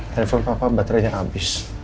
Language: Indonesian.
telepon papa baterenya abis